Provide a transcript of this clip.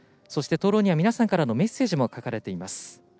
灯籠には皆さんからのメッセージも書かれています。